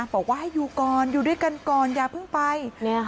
บอกว่าให้อยู่ก่อนอยู่ด้วยกันก่อนอย่าเพิ่งไป